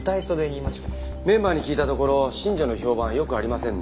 メンバーに聞いたところ新庄の評判は良くありませんね。